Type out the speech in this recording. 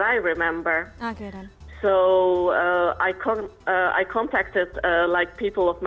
dia menggambarkan scene di kereta